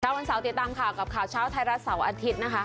วันเสาร์ติดตามข่าวกับข่าวเช้าไทยรัฐเสาร์อาทิตย์นะคะ